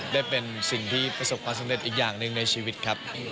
ได้เป็นสิ่งที่ประสบความสำเร็จอีกอย่างหนึ่งในชีวิตครับ